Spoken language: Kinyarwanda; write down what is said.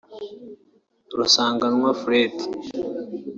Rusanganwa Fredy (C)